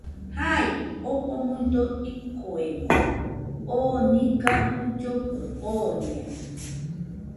Jai, Jofo nuido ikoemo, oo niga uilloforo joniai